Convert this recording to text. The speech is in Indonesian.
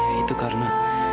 ya itu karena